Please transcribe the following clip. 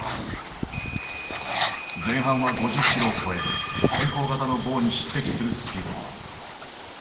前半は５０キロを超え先行型のボウに匹敵するスピード。